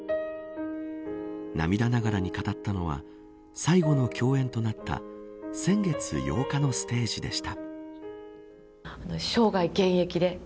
涙ながらに語ったのは最後の共演となった先月８日のステージでした。